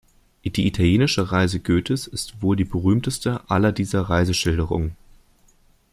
Die Italienische Reise Goethes ist wohl die berühmteste aller dieser Reiseschilderungen.